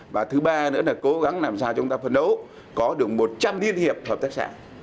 và thứ ba nữa là cố gắng làm sao chúng ta phấn đấu có được một trăm linh liên hiệp hợp tác xã